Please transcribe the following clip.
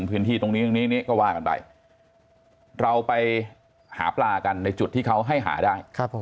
พื้นที่ตรงนี้ตรงนี้ก็ว่ากันไปเราไปหาปลากันในจุดที่เขาให้หาได้